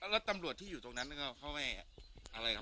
แล้วตำรวจที่อยู่ตรงนั้นก็เขาให้อะไรครับ